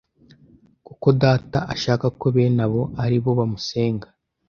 kuko Data ashaka ko bene abo ari bo bamusenga